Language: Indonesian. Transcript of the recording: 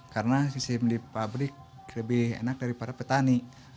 karena saya memilih pabrik lebih enak daripada petani